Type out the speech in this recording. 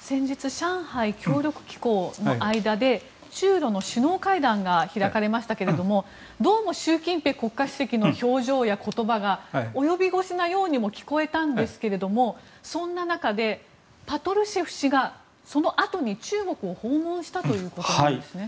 先日、上海協力機構の間で中ロの首脳会談が開かれましたがどうも習近平国家主席の表情や言葉が及び腰なようにも聞こえたんですけどもそんな中でパトルシェフ氏がそのあとに中国を訪問したということなんですね。